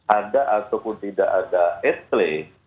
ada ataupun tidak ada es kli